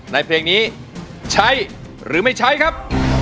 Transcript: ในเพลงนี้ใช้หรือไม่ใช้ครับ